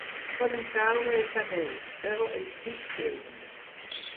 Poden caure els anells, però els dits queden.